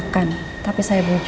kati elak ya behind